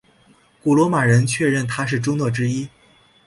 古罗马人确认她是朱诺之一。